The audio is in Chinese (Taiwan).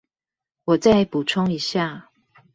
我再補充一下